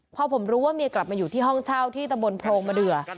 พอผมรู้ว่าเมียกลับมาอยู่ที่ห้องเช่าที่ตะบนโพรงมะเดือ